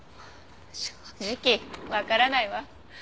正直わからないわ。